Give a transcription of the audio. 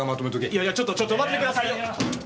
いやいやちょっと待ってくださいよ！